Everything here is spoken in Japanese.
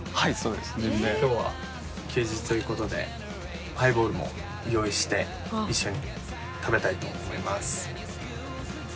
今日は休日という事でハイボールも用意して一緒に食べたいと思います。